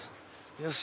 よし！